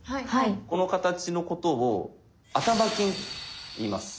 この形のことを「頭金」といいます。